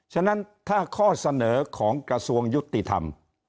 ฉะนั้นถ้าข้อเสนอของกระทรวงยุติธรรม